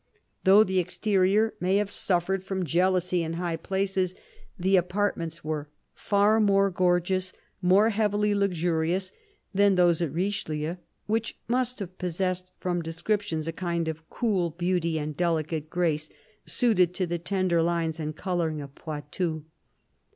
Though the exterior may have suffered from jealousy in high places the apartments were far more gorgeous, more heavily luxurious, than those at Richelieu — which must have possessed, from descriptions, a kind of cool beauty and delicate grace suited to the tender lines and colouring of Poitou.